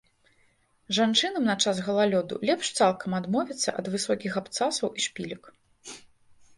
Жанчынам на час галалёду лепш цалкам адмовіцца ад высокіх абцасаў і шпілек.